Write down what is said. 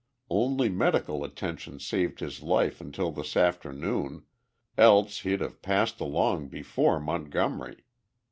Only medical attention saved his life until this afternoon, else he'd have passed along before Montgomery.